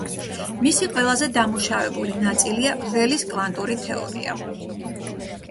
მისი ყველაზე დამუშავებული ნაწილია ველის კვანტური თეორია.